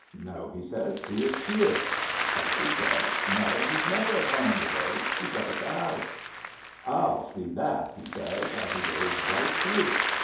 * No,' he says, * he is here !' And she said, *No, he's never at home in the day, he's up at the House.' *ril se^ that,' he says, and he goes right through.